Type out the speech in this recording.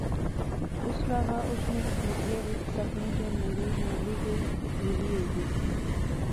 اس لاغا اس نی اس مٹیا وچ سکنی جڑ مڑی مولی گئی، نیلی ہوئی گئی